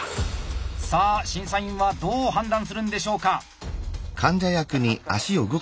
さあ審査員はどう判断するんでしょうか。